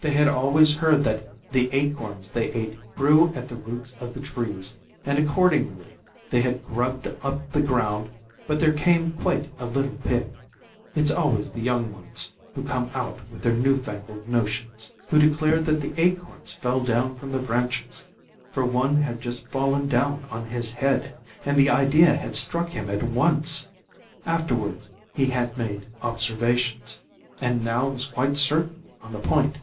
They had always heard that the acorns they ate grew at the roots of the trees, and accordingly they had grubbed up the ground; but there came quite a little pig it's always the young ones who come out with their new fangled notions who declared that the acorns fell down from the branches, for one had just fallen down on his head, and the idea had struck him at once, afterwards he had made observations, and now was quite certain on the point.